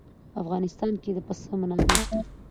په افغانستان کې د پسه منابع شته.